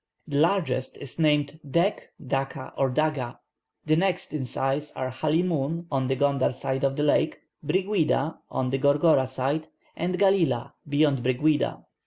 The largest is named Dek, Daka, or Daga; the next in size are Halimoon, on the Gondar side of the lake, Briguida, on the Gorgora side, and Galila, beyond Briguida.